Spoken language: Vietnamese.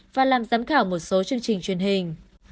và làm giám khảo một số chương trình truyền hình